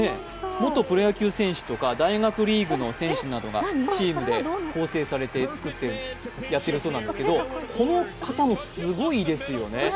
元プロ野球選手とか大学リーグの選手とかがチームで構成されて作ってやっているそうですが、この方もすごいですよね。